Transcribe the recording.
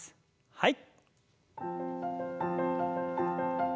はい。